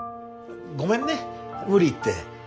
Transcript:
ごめんね無理言って。